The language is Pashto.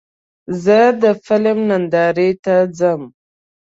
زه د فلم نندارې ته ځم.